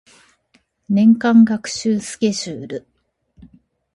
年間学習スケジュール